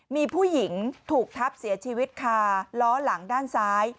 มีผู้หญิงถูกทับเสียชีวิตคาล้อหลังด้านซ้าย